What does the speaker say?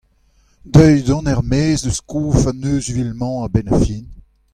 Deuet on er-maez eus kof an euzhvil-mañ a-benn ar fin !